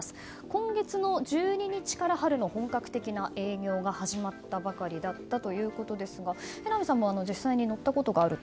今月の１２日から春の本格的な営業が始まったばかりだったということですが榎並さんも実際に乗ったことがあると？